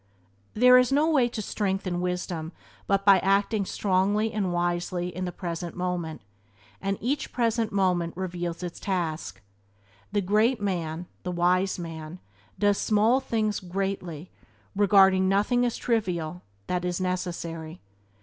There is no way to strength and wisdom but by acting strongly and wisely in the present moment, and each present moment reveals its own task. The great man, the wise man does small things greatly regarding nothing as "trivial" that is necessary.